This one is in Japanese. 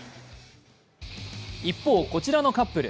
一方、こちらのカップル。